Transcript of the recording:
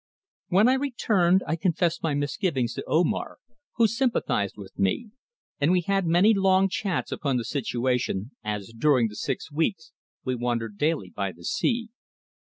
When I returned I confessed my misgivings to Omar, who sympathised with me, and we had many long chats upon the situation as during the six weeks we wandered daily by the sea.